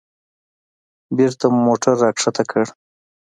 بېرته مو موټر راښکته کړ.